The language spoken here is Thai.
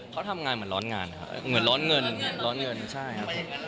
เขาทำงานเหมือนร้อนเงินร้อนเงินใช่ครับ